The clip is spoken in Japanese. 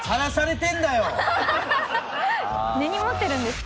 根に持ってるんですか？